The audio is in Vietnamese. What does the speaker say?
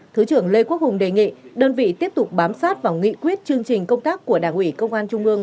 thứ trưởng lê quốc hùng đề nghị đơn vị tiếp tục bám sát vào nghị quyết chương trình công tác của đảng ủy công an trung ương